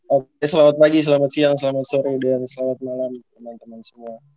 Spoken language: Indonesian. oke selamat pagi selamat siang selamat sore dan selamat malam teman teman semua